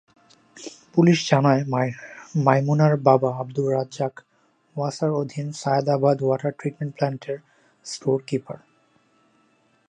Police জানায়, মাইমুনার বাবা আবদুর রাজ্জাক ওয়াসার অধীন সায়েদাবাদ ওয়াটার ট্রিটমেন্ট প্ল্যান্টের স্টোরকিপার।